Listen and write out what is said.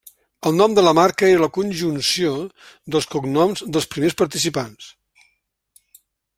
El nom de la marca era la conjunció dels cognoms dels primers participants.